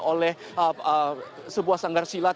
oleh sebuah sanggar silat